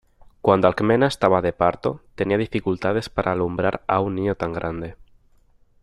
Cuando Alcmena estaba de parto, tenía dificultades para alumbrar a un niño tan grande.